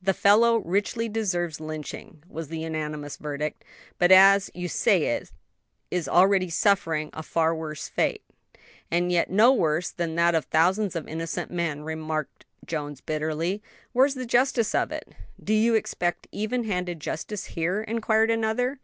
"The fellow richly deserves lynching," was the unanimous verdict, "but, as you say, is already suffering a far worse fate." "And yet no worse than that of thousands of innocent men," remarked Jones bitterly. "Where's the justice of it?" "Do you expect even handed justice here?" inquired another.